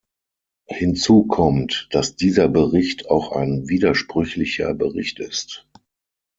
Hinzu kommt, dass dieser Bericht auch ein widersprüchlicher Bericht ist.